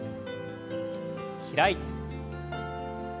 開いて。